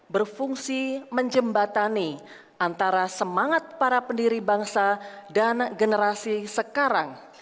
berfungsi menjembatani antara semangat para pendiri bangsa dan generasi sekarang